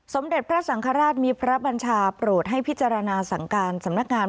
สมเด็จพระสังคราชมีพระบัญชาโปรดให้พิจารณาสังการ